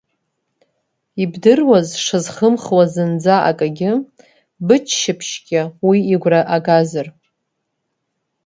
Ибдыруаз, сшазхымхуа зынӡа акагьы, быччаԥшьгьы, уи игәра агазар…